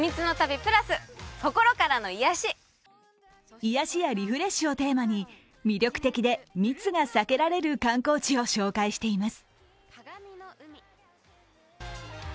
癒やしやリフレッシュをテーマに、魅力的で密が避けられる観光地を紹介しています。